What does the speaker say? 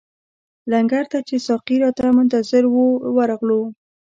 لنګر ته چې ساقي راته منتظر وو ورغلو.